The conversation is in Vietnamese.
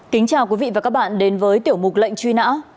kính chào quý vị và các bạn đến với tiểu mục lệnh truy nã